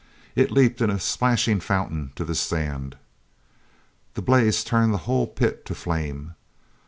It leaped in a splashing fountain to the sand. The blaze turned the whole pit to flame.